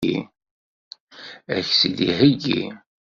Ad k-tt-id-iheggi?